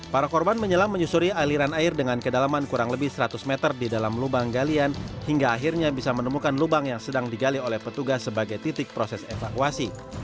para korban menyelam menyusuri aliran air dengan kedalaman kurang lebih seratus meter di dalam lubang galian hingga akhirnya bisa menemukan lubang yang sedang digali oleh petugas sebagai titik proses evakuasi